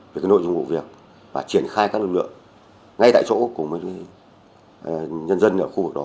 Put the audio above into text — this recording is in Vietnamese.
về nội dung vụ việc và triển khai các lực lượng ngay tại chỗ của những nhân dân ở khu vực đó